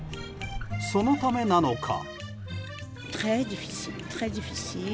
そのためなのか。